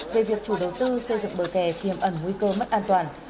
về việc chủ đầu tư xây dựng bờ kẻ khiêm ẩn nguy cơ mất an toàn